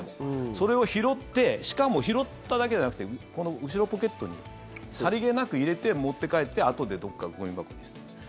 それを拾ってしかも拾っただけじゃなくてこの後ろポケットにさりげなく入れて持って帰ってあとでどこかゴミ箱に捨てる。